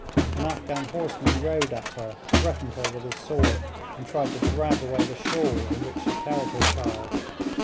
An Afghan horseman rode at her, threatened her with his sword, and tried to drag away the shawl in which she carried her child.